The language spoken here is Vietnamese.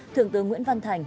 thượng tướng nguyễn văn thành